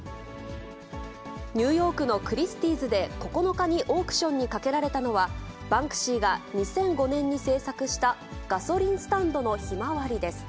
ニューヨークのクリスティーズで、９日にオークションにかけられたのは、バンクシーが２００５年に制作したガソリンスタンドのひまわりです。